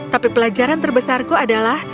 tapi pelajaran terbesarku adalah